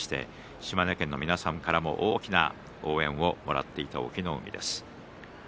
島根県の皆さんからも大きな応援をもらっていた隠岐の海です。